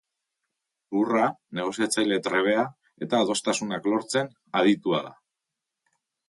Zuhurra, negoziatzaile trebea eta adostasunak lortzen aditua da.